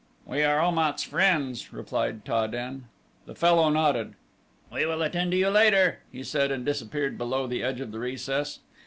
"We are Om at's friends," replied Ta den. The fellow nodded. "We will attend to you later," he said and disappeared below the edge of the recess.